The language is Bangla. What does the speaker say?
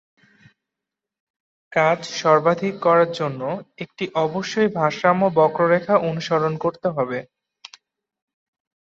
কাজ সর্বাধিক করার জন্য, একটি অবশ্যই ভারসাম্য বক্ররেখা অনুসরণ করতে হবে।